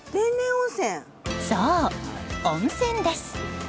そう、温泉です！